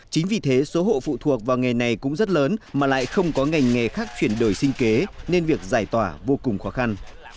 chính vì thế số hộ phụ thuộc vào nghề này cũng rất lớn mà lại không có ngành nghề khác chuyển đổi sinh kế nên việc giải tỏa vô cùng khó khăn